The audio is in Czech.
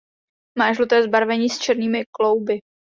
Má žluté zbarvení s černými klouby.